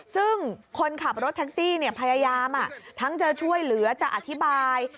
ซึ่งคนขับรถแท็กซี่พยายามทั้งจะช่วยเหลือจะอธิบาย